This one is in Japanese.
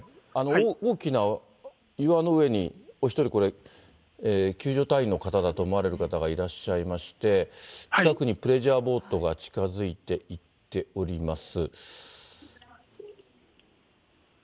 大きな岩の上に、お１人、これ、救助隊員の方だと思われる方がいらっしゃいまして、近くにプレジャーボートが近づいていっております。